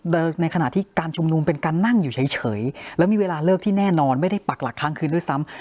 โดยในขณะที่การชุมนุมเป็นการนั่งอยู่เฉยแล้วมีเวลาเลิกที่แน่นอนไม่ได้ปักหลักครั้งคืนด้วยซ้ำ